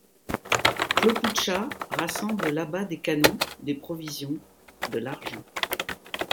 Khlopoucha rassemble là-bas des canons, des provisions, de l'argent.